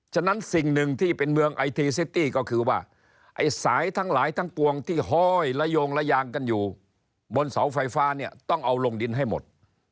ฉะนั้นสิ่งหนึ่งที่เป็นเมืองไอทีซิตี้ก็คือว่าไอ้สายทั้งหลายทั้งปวงที่ห้อยละโยงระยางกันอยู่บนเสาไฟฟ้าเนี่ยต้องเอาลงดินให้หมด